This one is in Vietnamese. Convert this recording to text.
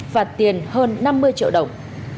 phạt tiền hơn năm mươi triệu đồng